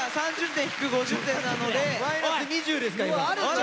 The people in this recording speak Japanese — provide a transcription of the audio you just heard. マイナス２０ですか今。